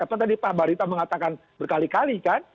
apa tadi pak barita mengatakan berkali kali kan